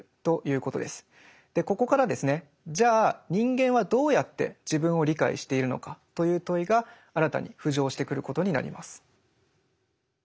ここからですねじゃあ人間はどうやって自分を理解しているのかという問いが新たに浮上してくることになります。